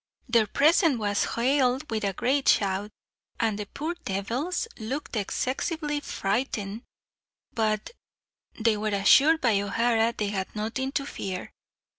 Their presence was hailed with a great shout, and the poor devils looked excessively frightened; but they were assured by O'Hara they had nothing to fear.